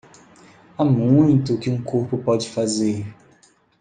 Há muito o que um corpo pode fazer.